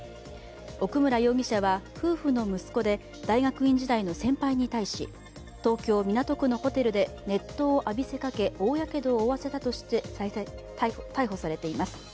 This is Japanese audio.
奥村容疑者は夫婦の息子で大学院時代の先輩に対し、東京・港区のホテルで熱湯を浴びせかけ大やけどを負わせたとして逮捕されています。